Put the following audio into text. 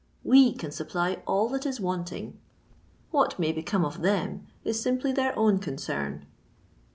We can supply all that is wauting. What may become of them is simply their own concern."